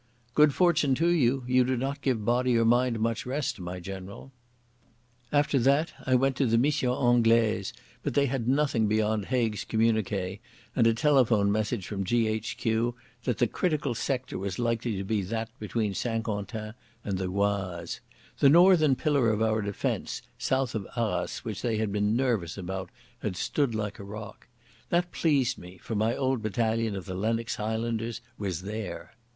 "Good fortune to you. You do not give body or mind much rest, my general." After that I went to the Mission Anglaise, but they had nothing beyond Haig's communiqué and a telephone message from G.H.Q. that the critical sector was likely to be that between St Quentin and the Oise. The northern pillar of our defence, south of Arras, which they had been nervous about, had stood like a rock. That pleased me, for my old battalion of the Lennox Highlanders was there.